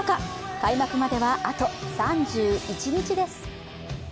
開幕まではあと３１日です。